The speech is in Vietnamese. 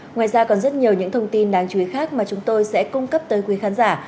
ngoài ra còn rất nhiều những thông tin đáng chú ý khác mà chúng tôi sẽ cung cấp tới quý khán giả